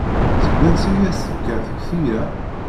Seg wansi ay as-tekka tekti-a?